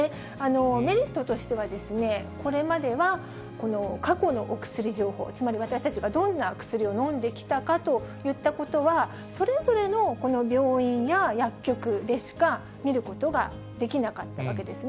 メリットとしては、これまでは過去のお薬情報、つまり私たちがどんな薬を飲んできたかということは、それぞれのこの病院や薬局でしか見ることができなかったわけですね。